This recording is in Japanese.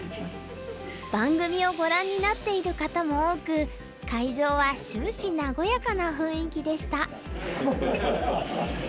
番組をご覧になっている方も多く会場は終始和やかな雰囲気でした。